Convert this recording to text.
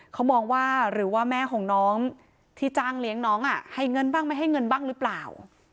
เขามองว่าหรือว่าแม่ของน้องที่จ้างเลี้ยงน้องให้เงินบ้างไม่ให้เงินบ้างหรือเปล่า